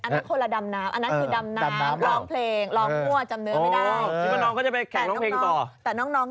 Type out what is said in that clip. อันนั้นคนละดำน้ำร้องเพลง